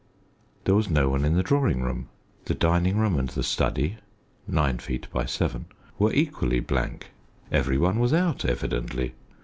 There was no one in the drawing room, the dining room and the study (nine feet by seven) were equally blank. Every one was out, evidently.